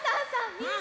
みんな！